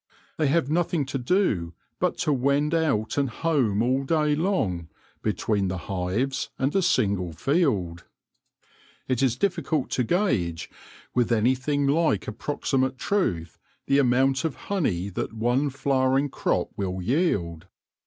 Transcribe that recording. They have nothing to do but to wend out and home all day long between the hives and a single field. It is difficult to gauge with anything like approxi mate truth the amount of honey that one flowering crop will yield.